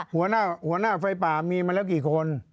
หัวหน้าไฟป่ามีมาแล้วกี่คน